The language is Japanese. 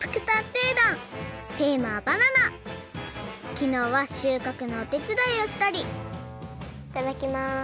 きのうはしゅうかくのおてつだいをしたりいただきます！